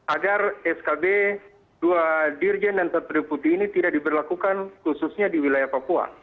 agar skb dua dirjen dan satu deputi ini tidak diberlakukan khususnya di wilayah papua